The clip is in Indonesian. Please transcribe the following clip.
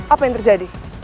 apa yang terjadi